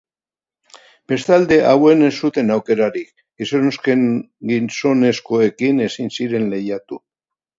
Bestalde, hauen ez zuten aukerarik, gizonezkoekin ezin ziren lehiatu.